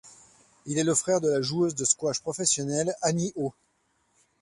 Il est le frère de la joueuse de squash professionnelle Annie Au.